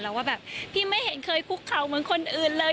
แล้วว่าแบบพี่ไม่เห็นเคยคุกเข่าเหมือนคนอื่นเลย